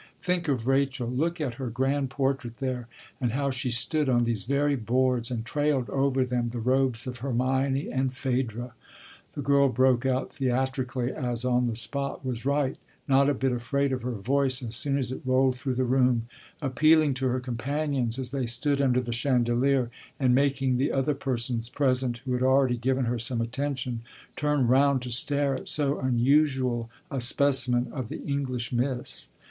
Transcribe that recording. Think of Rachel look at her grand portrait there! and how she stood on these very boards and trailed over them the robes of Hermione and Phèdre." The girl broke out theatrically, as on the spot was right, not a bit afraid of her voice as soon as it rolled through the room; appealing to her companions as they stood under the chandelier and making the other persons present, who had already given her some attention, turn round to stare at so unusual a specimen of the English miss.